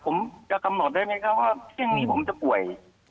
ผมจะกำหนดได้ไหมครับว่าเที่ยงนี้ผมจะป่วย